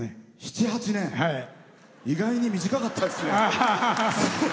意外に短かったですね。